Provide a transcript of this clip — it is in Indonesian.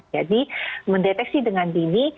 jadi mendeteksi dengan dini